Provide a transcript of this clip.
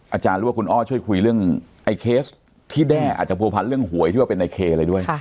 อาจารย์หรือว่าคุณอ้อช่วยคุยเรื่องไอ้เคสที่แด้อาจจะผัวพันเรื่องหวยที่ว่าเป็นในเคอะไรด้วย